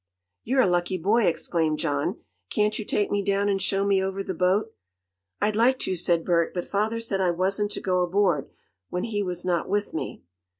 "You're a lucky boy!" exclaimed John. "Can't you take me down and show me over the boat?" "I'd like to," said Bert, "but father said I wasn't to go aboard, when he was not with me."